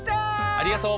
ありがとう。